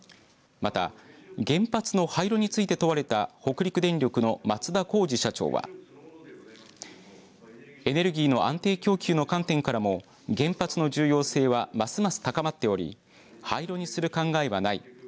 また、原発の廃炉について問われた北陸電力の松田光司社長はエネルギーの安定供給の観点からも原発の重要性はますます高まっており廃炉にする考えはない。